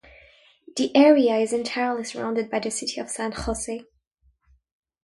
The area is entirely surrounded by the City of San Jose.